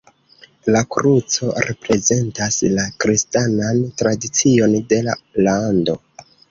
La kruco reprezentas la kristanan tradicion de la lando.